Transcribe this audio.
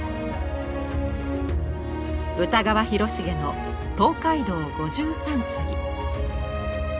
歌川広重の「東海道五拾三次」。